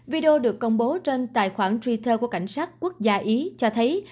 video được công bố trên tài khoản twitter của cảnh sát quốc gia ý cho thấy